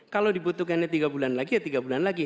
kalau dibutuhkannya tiga bulan lagi ya tiga bulan lagi